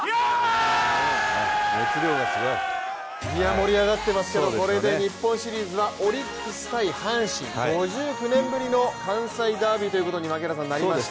盛り上がっていますけれども、これで日本シリーズはオリックス×阪神５９年ぶりの関西ダービーとなりました。